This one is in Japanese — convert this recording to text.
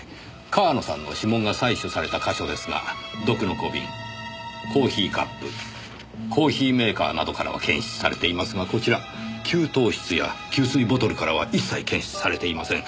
川野さんの指紋が採取された箇所ですが毒の小瓶コーヒーカップコーヒーメーカーなどからは検出されていますがこちら給湯室や給水ボトルからは一切検出されていません。